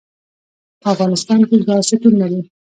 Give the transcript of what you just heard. په افغانستان کې ګاز شتون لري.